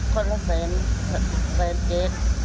คนละเซนแสนเจ๊